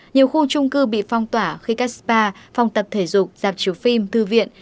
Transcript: nhiều khu trung cư bị phong tỏa khi các spa phòng tập thể dục giạp chiều phim thư viện